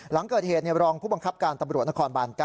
หลังเกิดเหตุรองผู้บังคับการตำรวจนครบาน๙